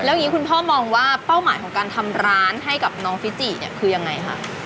อย่างนี้คุณพ่อมองว่าเป้าหมายของการทำร้านให้กับน้องฟิจิเนี่ยคือยังไงคะ